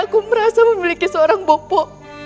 aku merasa memiliki seorang bopo